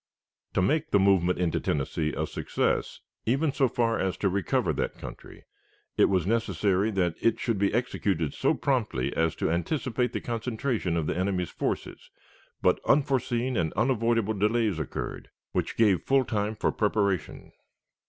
To make the movement into Tennessee a success, even so far as to recover that country, it was necessary that it should be executed so promptly as to anticipate the concentration of the enemy's forces, but unforeseen and unavoidable delays occurred, which gave full time for preparation.